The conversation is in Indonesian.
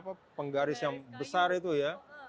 apa penggaris yang besar itu ya